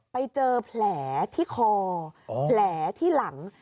ไปเจอแผลที่คอแผลที่หลัง